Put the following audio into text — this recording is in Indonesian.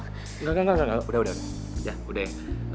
engga engga engga udah udah udah